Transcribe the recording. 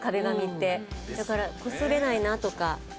だからこすれないなとか。